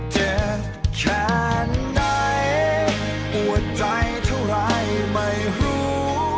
เด็ดแค่ไหนหัวใจเท่าไรไม่รู้